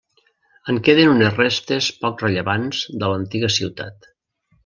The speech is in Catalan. En queden unes restes poc rellevants de l'antiga ciutat.